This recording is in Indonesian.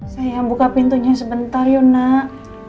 sayang buka pintunya sebentar yuk nak